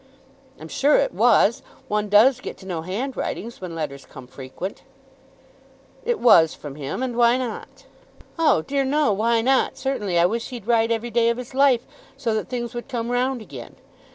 "I'm sure it was. One does get to know handwritings when letters come frequent." "It was from him. And why not?" "Oh dear no; why not certainly? I wish he'd write every day of his life, so that things would come round again.